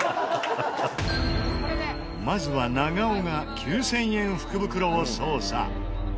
まずは長尾が９０００円福袋を捜査。